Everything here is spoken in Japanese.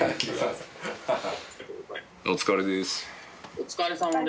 お疲れさまです